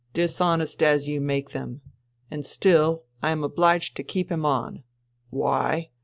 Dishonest as you make them. And still I am obliged to keep him on. Why